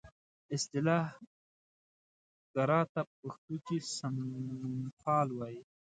اصلاح ګرا ته په پښتو کې سمونپال وایي.